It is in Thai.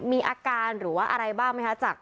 มีอาการหรือว่าอะไรบ้างไหมคะ